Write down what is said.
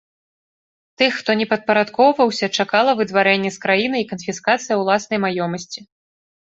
Тых, хто не падпарадкоўваўся, чакала выдварэнне з краіны і канфіскацыя ўласнай маёмасці.